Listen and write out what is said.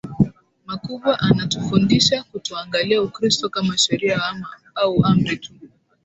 makubwa Anatufundisha kutoangalia Ukristo kama sheria au amri tu